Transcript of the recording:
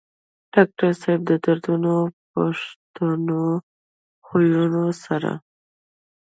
ډاکټر صېب د درنو پښتنو خويونو سره